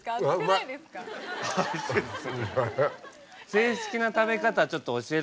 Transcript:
正式な食べ方ちょっと教えるんで。